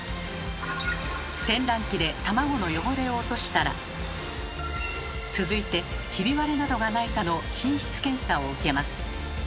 洗卵機で卵の汚れを落としたら続いてひび割れなどがないかの品質検査を受けます。